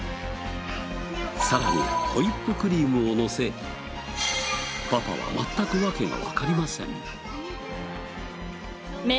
さらにホイップクリームをのせパパは全く訳がわかりません。